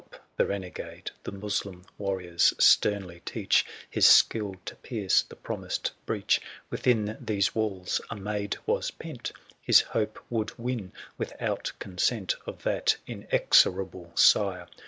Alone, did Alp, the renegade, The Moslem warriors sternly teach His skill to pierce the promised breach : 135 Within these walls a maid was pent His hope would win, without consent Of that inexorable sire.